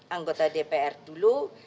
anggota dpr dulu